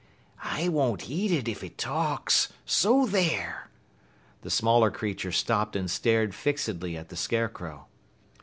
"I won't eat it if it talks so there!" The smaller creature stopped and stared fixedly at the Scarecrow.